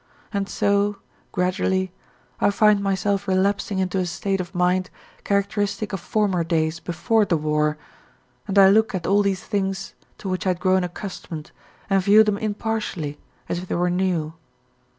And so, gradually, I find myself relapsing into a state of mind characteristic of former days before the war, and I look at all these things to which I had grown accustomed and view them impartially, as if they were new.